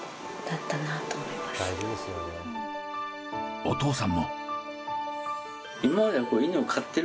お父さんも。